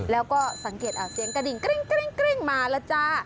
แล้วก็สังเกตเสียงกระดิ่งกริ้งมาแล้วจ้า